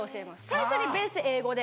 最初にベース英語で。